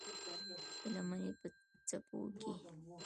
د لمنې په څپو کې یې